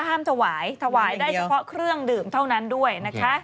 ถวายถวายได้เฉพาะเครื่องดื่มเท่านั้นด้วยนะคะ